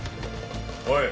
おい。